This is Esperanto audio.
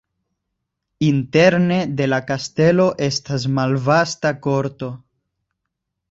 Interne de la kastelo estas malvasta korto.